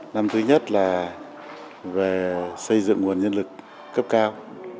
năm thứ nhất là về xây dựng nguồn nhân lực cấp cao